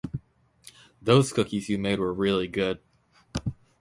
Those cookies you made were really good.